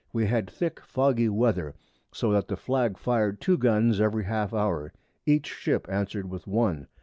we had thick foggy Weather, so that the Flag fired two Guns every half hour; each Ship answer'd with one.